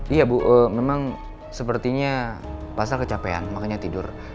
iya bu memang sepertinya pasar kecapean makanya tidur